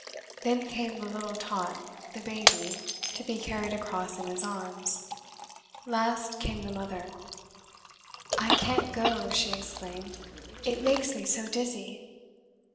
Then came the little tot, the baby, to be carried across in his arms. Last came the mother. "I can't go!" she exclaimed. "It makes me so dizzy!"